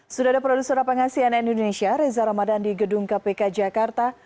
sudah ada produser pengasian indonesia reza ramadan di gedung kpk jakarta